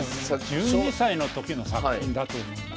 １２歳の時の作品だと思いますね。